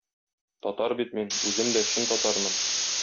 Татар бит мин, үзем дә чын татармын.